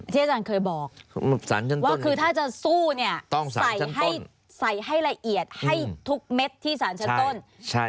อาจารย์เคยบอกว่าคือถ้าจะสู้เนี่ยใส่ให้ละเอียดให้ทุกเม็ดที่สารชั้นต้น